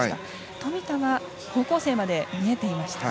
富田は高校生まで見えていました。